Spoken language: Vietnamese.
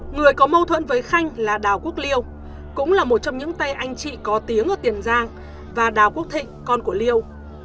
người có mâu thuẫn với khanh là đào quốc liêu cũng là một trong những tay anh chị có tiếng ở tiền giang và đào quốc thịnh con của liêu